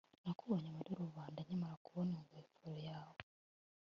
nakubonye muri rubanda nkimara kubona ingofero yawe